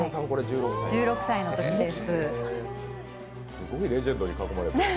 すごいレジェンドに囲まれて、ねえ。